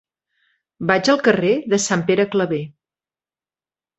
Vaig al carrer de Sant Pere Claver.